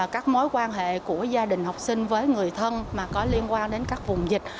các mối quan hệ của gia đình học sinh với người thân liên quan đến các vùng dịch